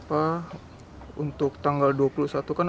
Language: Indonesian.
tendah banget juga sekarang